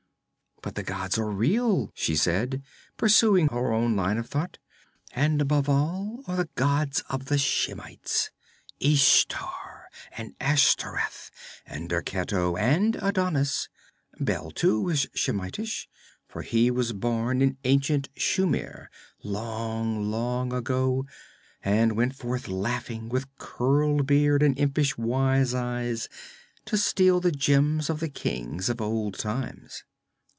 'But the gods are real,' she said, pursuing her own line of thought. 'And above all are the gods of the Shemites Ishtar and Ashtoreth and Derketo and Adonis. Bel, too, is Shemitish, for he was born in ancient Shumir, long, long ago and went forth laughing, with curled beard and impish wise eyes, to steal the gems of the kings of old times.